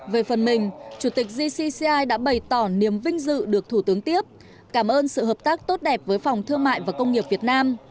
về phần mình chủ tịch gcci đã bày tỏ niềm vinh dự được thủ tướng tiếp cảm ơn sự hợp tác tốt đẹp với phòng thương mại và công nghiệp việt nam